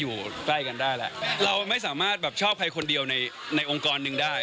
อยู่ใกล้กันได้แหละเราไม่สามารถแบบชอบใครคนเดียวในในองค์กรหนึ่งได้